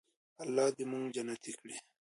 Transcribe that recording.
الله دې موږ جنتي کړي.